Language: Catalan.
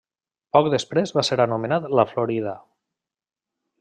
Poc després va ser anomenat La Florida.